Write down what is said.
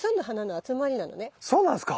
そうなんですか。